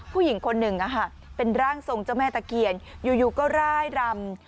ผู้หญิงคนหนึ่งเป็นร่างทรงเจ้าแม่ตะเคียนอยู่ก็ร่ายรำ